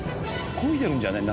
こいでるんじゃない？